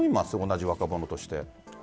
同じ若者として。